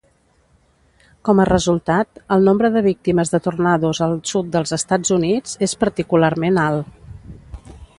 Com a resultat, el nombre de víctimes de tornados al sud dels Estats Units és particularment alt.